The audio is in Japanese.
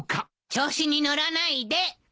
調子に乗らないで！